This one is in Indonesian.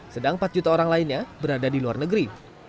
sedang empat juta orang lainnya berada di luar negeri